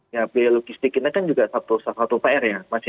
ya biaya logistik ini kan juga salah satu pr ya